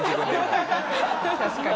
確かに。